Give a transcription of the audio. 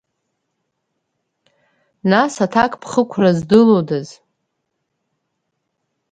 Нас аҭакԥхықәра здылодаз?